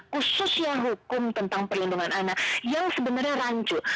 khususnya hukum tentang perlindungan anak yang sebenarnya rancu